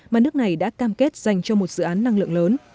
mà nước này đã cam kết dành cho một dự án năng lượng lớn